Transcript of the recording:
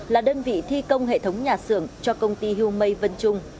là đơn vị thi công hệ thống nhà xưởng cho công ty humei vân trung